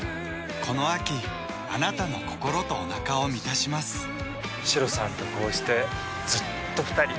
この秋あなたの心とおなかを満たしますシロさんとこうしてずっと２人。